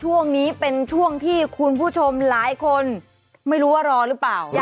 ช่วงนี้เป็นช่วงที่คุณผู้ชมหลายคนไม่รู้ว่ารอหรือเปล่า